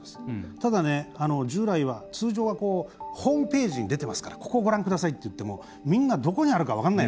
ただ、通常はホームページに出てますからここをご覧くださいと言ってもみんな、どこにあるか分からない。